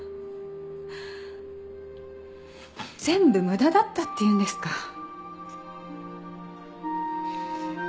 全部無駄だったって言うんですか。